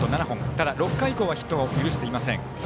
ただ、６回以降はヒット許していません。